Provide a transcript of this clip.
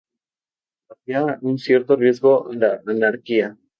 Había un cierto riesgo a la anarquía.